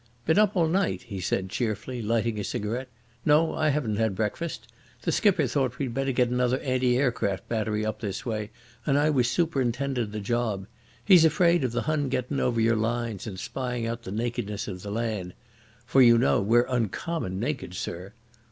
"Been up all night," he said cheerfully, lighting a cigarette. "No, I haven't had breakfast. The skipper thought we'd better get another anti aircraft battery up this way, and I was superintendin' the job. He's afraid of the Hun gettin' over your lines and spying out the nakedness of the land. For, you know, we're uncommon naked, sir.